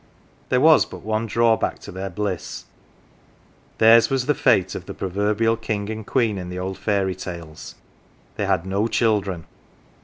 There was but one drawback to their bliss theirs was the fate of the proverbial king and queen in the old fairy tales ; they had no children.